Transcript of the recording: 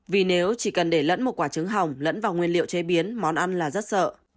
vì nếu chỉ cần để lẫn một quả trứng hồng lẫn vào nguyên liệu chế biến món ăn là rất sợ